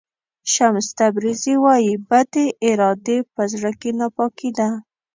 شمس تبریزي وایي بدې ارادې په زړه کې ناپاکي ده.